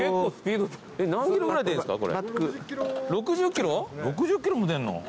６０キロも出んの。